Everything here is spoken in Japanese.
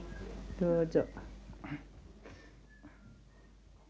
どうぞ。